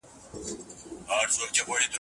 که ذهن ګډوډ وي، اشتها بدلېږي.